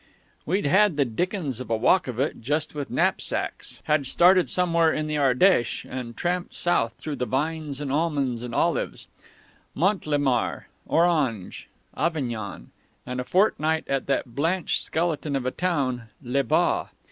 "We'd had the dickens of a walk of it, just with knapsacks had started somewhere in the Ardèche and tramped south through the vines and almonds and olives Montélimar, Orange, Avignon, and a fortnight at that blanched skeleton of a town, Les Baux.